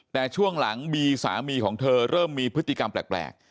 แต่ช่วงหลังบีสามีของเธอเริ่มมีพฤติกรรมแปลก